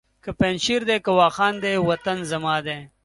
که پنجشېر دی که واخان دی وطن زما دی!